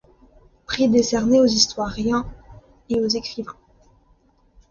Prix décerné aux historiens et aux écrivains.